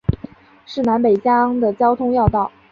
是南北疆的交通要道。